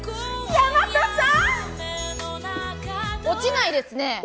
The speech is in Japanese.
落ちないですね。